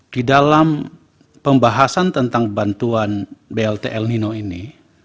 di dalam pembahasan tentang bantuan blt el nino ini